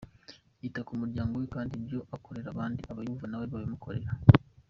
Yita ku muryango we kandi ibyo akorera abandi aba yumva nawe babimukorera.